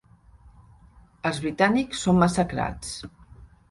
Els britànics són massacrats.